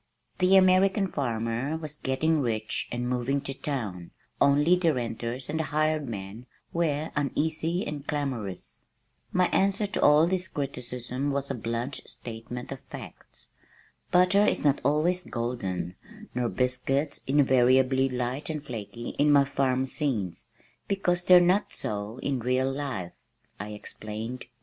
The American farmer was getting rich, and moving to town, only the renters and the hired man were uneasy and clamorous. My answer to all this criticism was a blunt statement of facts. "Butter is not always golden nor biscuits invariably light and flaky in my farm scenes, because they're not so in real life," I explained.